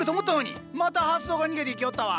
また発想が逃げていきおったわ！